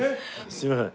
すみません。